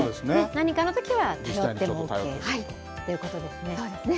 何かのときは、頼ってもＯＫといそうですね。